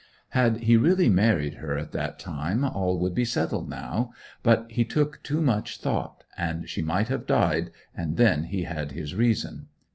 Had he really married her at that time all would be settled now. But he took too much thought; she might have died, and then he had his reason.